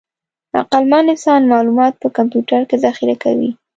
عقلمن انسان معلومات په کمپیوټر کې ذخیره کوي.